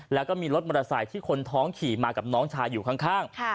แล้วก็มีรถมอเตอร์ไซค์ที่คนท้องขี่มากับน้องชายอยู่ข้าง